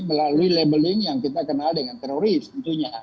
melalui labeling yang kita kenal dengan teroris tentunya